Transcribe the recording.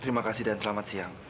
terima kasih dan selamat siang